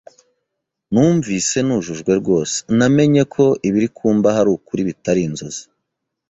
Numvise nujujwe rwose, namenye ko ibiri kumbaho ari ukuri bitari inzozi